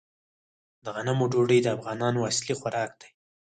د غنمو ډوډۍ د افغانانو اصلي خوراک دی.